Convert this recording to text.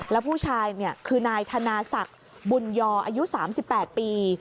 แล้วผู้ชายคือนายธนาศักดิ์บุญยออายุ๓๘ปี